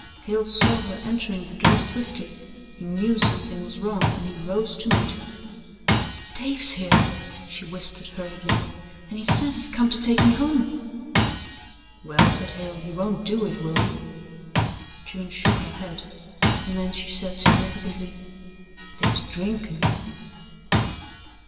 Hale saw her entering the door swiftly, he knew something was wrong and he rose to meet her. "Dave's here," she whispered hurriedly, "an' he says he's come to take me home." "Well," said Hale, "he won't do it, will he?" June shook her head and then she said significantly: "Dave's drinkin'."